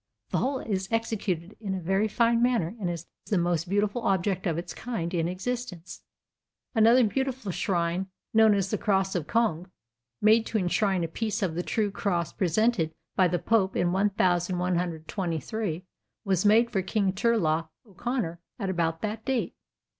The whole is executed in a very fine manner and is the most beautiful object of its kind in existence. Another beautiful shrine, known as the Cross of Cong, made to enshrine a piece of the true cross presented by the pope in 1123, was made for King Turlogh O'Conor at about that date.